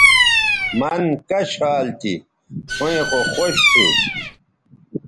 مَن کش حال تھی ھویں خو خوش تھو